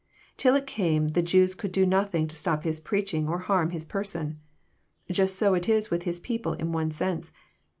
Till it came the Jews could do nothing to stop His preaching or harm His person. Just so it is with His people in one sense.